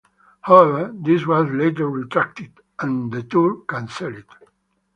However, this was later retracted, and the tour cancelled.